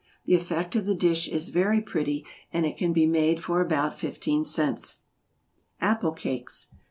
The effect of the dish is very pretty, and it can be made for about fifteen cents. =Apple Cakes.